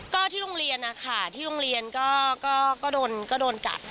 ก็ที่โรงเรียนนะคะที่โรงเรียนก็โดนกัด